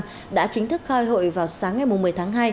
tháng năm đã chính thức khai hội vào sáng ngày một mươi tháng hai